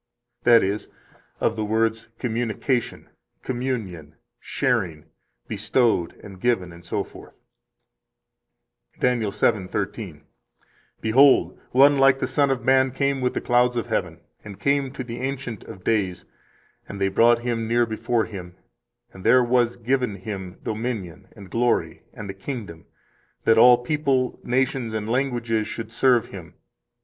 that is, of the words "communication," "communion," "sharing," "bestowed and given," etc. 20 Dan. 7:13: Behold, one like the Son of Man came with the clouds of heaven, and came to the Ancient of Days, and they brought Him near before Him; and there was given Him dominion, and glory, and a kingdom, that all people, nations, and languages should serve Him.